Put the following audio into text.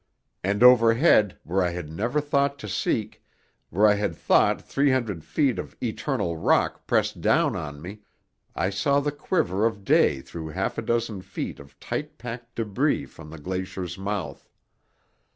And overhead, where I had never thought to seek, where I had thought three hundred feet of eternal rock pressed down on me, I saw the quiver of day through half a dozen feet of tight packed débris from the glacier's mouth.